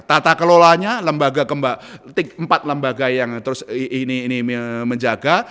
tata kelolanya empat lembaga yang terus ini menjaga